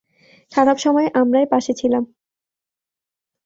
খারাপ সময়ে আমরাই পাশে ছিলাম।